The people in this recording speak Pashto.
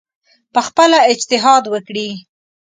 پخپله اجتهاد وکړي